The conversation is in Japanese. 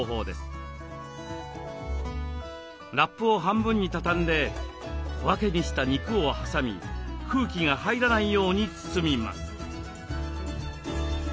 ラップを半分に畳んで小分けにした肉を挟み空気が入らないように包みます。